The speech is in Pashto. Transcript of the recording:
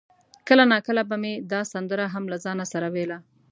کله ناکله به مې دا سندره هم له ځانه سره ویله.